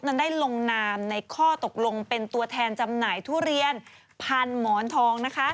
นั้นได้ลงนามในข้อตกลงเป็นตัวแทนจำหน่ายทุเรียนพันหมอนทองนะคะ